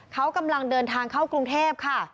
เขากำลังเดินทางเข้ากรุงเทพค่ะ